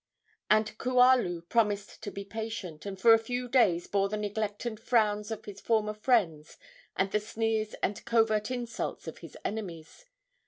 And Kualu promised to be patient, and for a few days bore the neglect and frowns of his former friends, and the sneers and covert insults of his enemies.